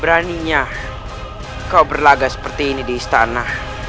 beraninya kau berlaga seperti ini di istana